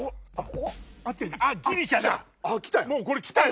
もうこれきたよ！